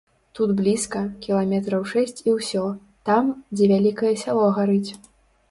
Тут блізка, кіламетраў шэсць і ўсё, там, дзе вялікае сяло гарыць.